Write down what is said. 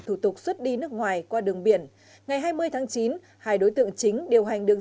thủ tục xuất đi nước ngoài qua đường biển ngày hai mươi tháng chín hai đối tượng chính điều hành đường